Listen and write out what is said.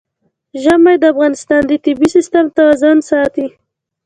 ژمی د افغانستان د طبعي سیسټم توازن ساتي.